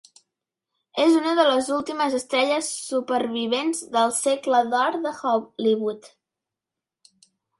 És una de les últimes estrelles supervivents del Segle d'Or de Hollywood.